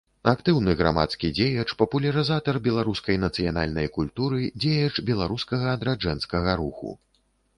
Актыўны грамадскі дзеяч, папулярызатар беларускай нацыянальнай культуры, дзеяч беларускага адраджэнскага руху.